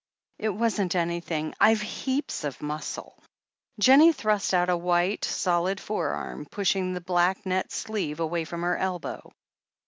"It wasn't anything. I've heaps of muscle." Jennie thrust out a white, solid forearm, pushing the black net sleeve away from her elbow.